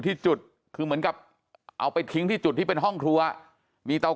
ที่จุดคือเหมือนกับเอาไปทิ้งที่จุดที่เป็นห้องครัวมีเตา